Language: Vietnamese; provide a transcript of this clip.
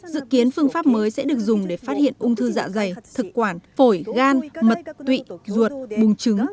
dự kiến phương pháp mới sẽ được dùng để phát hiện ung thư dạ dày thực quản phổi gan mật tụy ruột bùng trứng